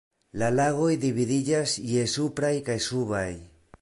La lagoj dividiĝas je supraj kaj subaj.